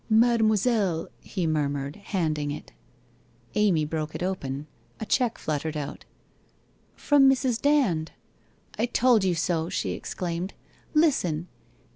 ' Mademoiselle !.. .'he murmured, handing it. Amy broke it open. A cheque fluttered out. ' From Mrs. Dand. I told you so/ she exclaimed. 'Listen!